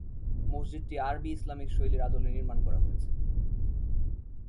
মসজিদটি আরবি ইসলামিক শৈলীর আদলে নির্মাণ করা হয়েছে।